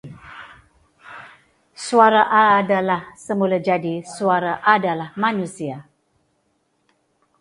Suara adalah semulajadi, suara adalah manusia.